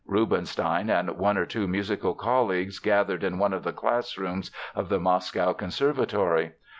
Rubinstein and one or two musical colleagues gathered in one of the classrooms of the Moscow Conservatory.